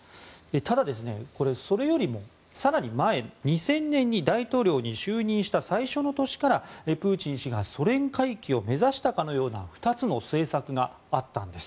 ただ、それよりも更に前の２０００年に大統領に就任した最初の年からプーチン氏がソ連回帰を目指したかのような２つの政策があったんです。